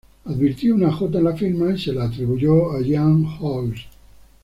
Advirtió una "J" en la firma y se la atribuyó a Jan Hals.